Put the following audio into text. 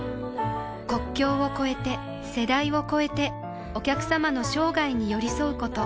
国境を超えて世代を超えてお客様の生涯に寄り添うこと